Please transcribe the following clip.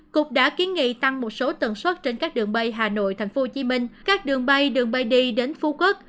cục đã kiến nghị tăng một số tần suất trên các đường bay hà nội tp hcm các đường bay đường bay đi đến phú quốc